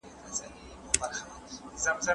ارواپوه وویل چې فردي رفتار د ټولنیز چاپېریال اغېزه ده.